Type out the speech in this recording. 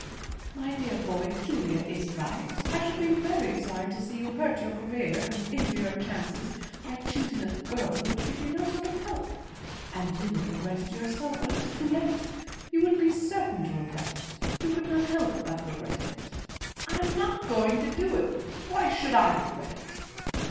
"My dear boy, Julia is right. I should be very sorry to see you hurt your career and injure your chances by choosing a girl who would give you no sort of help. And you would regret it yourself, when it was too late. You would be certain to regret it. You could not help but regret it." "I am not going to do it. But why should I regret it?"